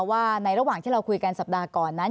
ว่าในระหว่างที่เราคุยกันสัปดาห์ก่อนนั้น